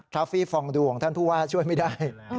ฟี่ฟองดูของท่านผู้ว่าช่วยไม่ได้